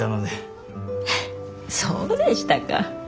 そうでしたか。